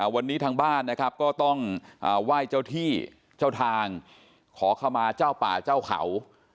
วันนี้ทางบ้านนะครับก็ต้องไหว้เจ้าที่เจ้าทางขอขมาเจ้าป่าเจ้าเขา